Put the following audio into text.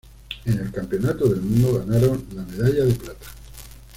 En el Campeonato del mundo ganaron la medalla de plata.